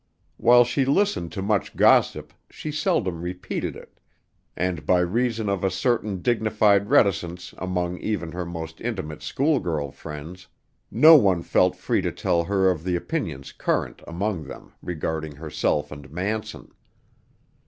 While she listened to much gossip, she seldom repeated it, and, by reason of a certain dignified reticence among even her most intimate schoolgirl friends, no one felt free to tell her of the opinions current among them regarding herself and Manson.